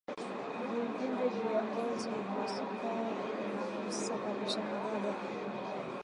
Vivimbe juu ya ngozi hupasuka na kusababisha magaga